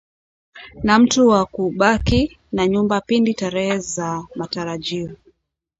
na mtu wa kubaki na nyumba pindi tarehe za matarajio